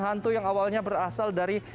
hantu yang awalnya berasal dari